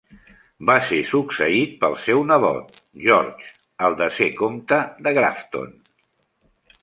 Va ser succeït pel seu nebot, George, el desè comte de Grafton.